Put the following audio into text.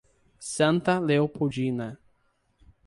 Santa Leopoldina